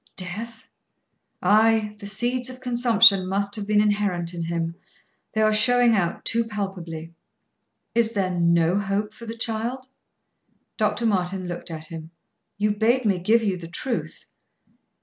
"Death?" "Ay. The seeds of consumption must have been inherent in him. They are showing out too palpably." "Is there no hope for the child?" Dr. Martin looked at him. "You bade me give you the truth."